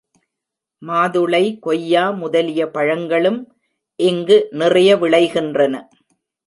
மாதுளை, கொய்யா முதலிய பழங்களும் இங்கு நிறைய விளைகின்றன.